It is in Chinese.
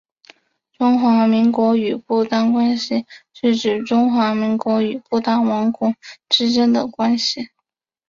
中华民国与不丹关系是指中华民国与不丹王国之间的关系。